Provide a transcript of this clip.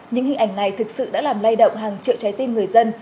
những hình ảnh này thực sự đã làm lay động hàng triệu trái tim người dân